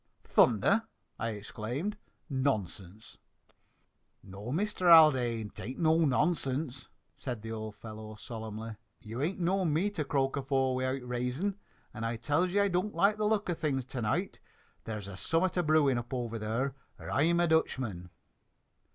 "Thunder?" I exclaimed. "Nonsense!" "No, Mister Haldane, it ain't no nonsense," said the old fellow solemnly. "You ain't known me to croak afore without re'sin, and I tells ye I don't likes the look o' things to night. There's summit a brewin' up over there, or I'm a Dutchman!"